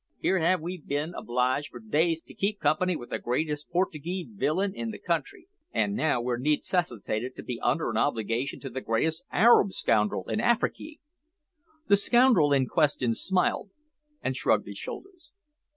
Here have we bin' obliged for days to keep company with the greatest Portugee villian in the country, an' now we're needcessitated to be under a obligation to the greatest Arab scoundrel in Afriky." The scoundrel in question smiled and shrugged his shoulders.